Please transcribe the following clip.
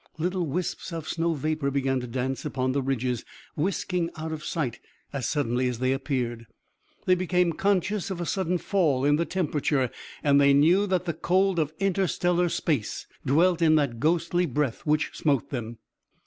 Little wisps of snow vapor began to dance upon the ridges, whisking out of sight as suddenly as they appeared. They became conscious of a sudden fall in the temperature, and they knew that the cold of interstellar space dwelt in that ghostly breath which smote them.